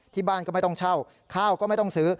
ที่บ้านก็ไม่ต้องเช่าข้าวก็ไม่ต้องซื้อ